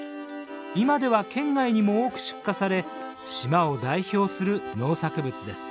今では県外にも多く出荷され島を代表する農作物です。